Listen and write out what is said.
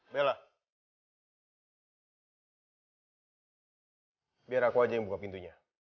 bella biar aku aja yang buka pintunya